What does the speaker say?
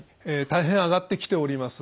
大変上がってきております。